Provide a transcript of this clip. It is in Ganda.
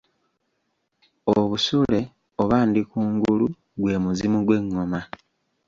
Obusule oba ndikungulu gwe muzimu gw’engoma.